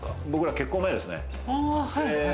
結婚前ですね。